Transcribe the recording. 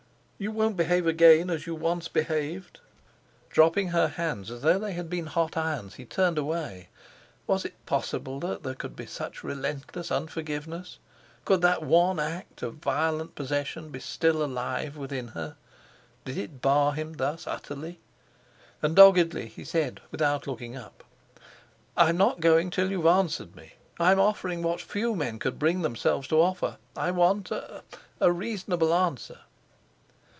You won't behave again as you once behaved." Dropping her hands as though they had been hot irons, he turned away. Was it possible that there could be such relentless unforgiveness! Could that one act of violent possession be still alive within her? Did it bar him thus utterly? And doggedly he said, without looking up: "I am not going till you've answered me. I am offering what few men would bring themselves to offer, I want a—a reasonable answer."